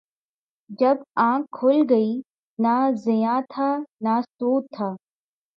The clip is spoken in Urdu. جب آنکھ کھل گئی، نہ زیاں تھا نہ سود تھا